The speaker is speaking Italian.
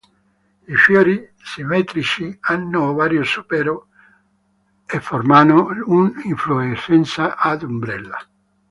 I fiori, simmetrici hanno ovario supero e formano un'infiorescenza ad ombrella.